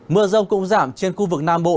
mưa rông cũng giảm trên khu vực nam bộ